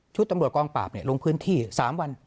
ชุดตำรวจกองปราบเนี่ยลงพื้นที่๓วัน